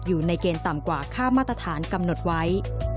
อยู่ในเกณฑ์ต่ำกว่าค่ามาตรฐานกำหนดไว้